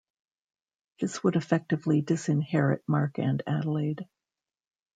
This would effectively disinherit Mark and Adelaide.